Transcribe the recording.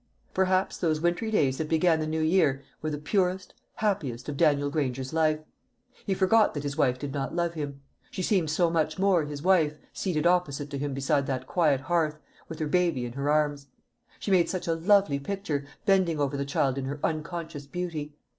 Perhaps those wintry days that began the new year were the purest, happiest of Daniel Granger's life. He forgot that his wife did not love him. She seemed so much more his wife, seated opposite to him beside that quiet hearth, with her baby in her arms. She made such a lovely picture, bending over the child in her unconscious beauty.